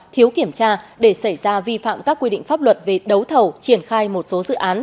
thiếu kiểm tra để xảy ra vi phạm các quy định pháp luật về đấu thầu triển khai một số dự án